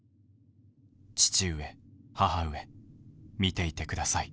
父上母上見ていて下さい。